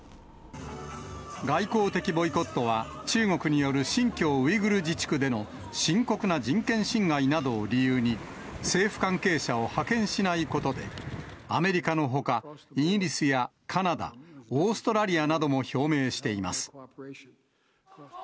外交的ボイコットは、中国による新疆ウイグル自治区での深刻な人権侵害などを理由に、政府関係者を派遣しないことで、アメリカのほか、イギリスやカナダ、オーストラリアなども表明しています。